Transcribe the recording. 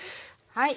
はい。